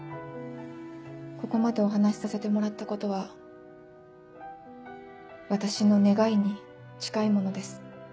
ここまでお話しさせてもらったことは私の願いに近いものです。